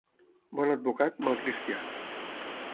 Bon advocat, mal cristià.